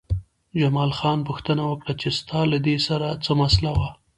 جمال خان پوښتنه وکړه چې ستا له دې سره څه مسئله وه